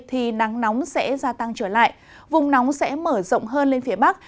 thì nắng nóng sẽ gia tăng trở lại vùng nóng sẽ mở rộng hơn lên phía bắc